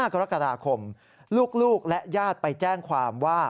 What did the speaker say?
กรกฎาคมลูกและญาติไปแจ้งความว่า